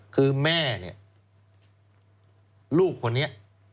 คือแม่ลูกคนนี้